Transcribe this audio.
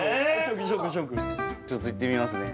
ちょっといってみますね